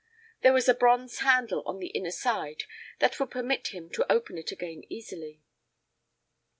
There was a bronze handle on the inner side that would permit him to open it again easily.